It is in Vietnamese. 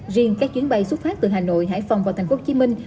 riêng các chuyến bay xuất phát từ hà nội hải phòng vào thành phố hồ chí minh